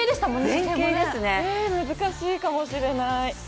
ええ、難しいかもしれない。